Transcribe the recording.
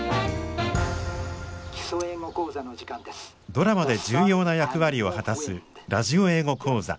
ドラマで重要な役割を果たす「ラジオ英語講座」。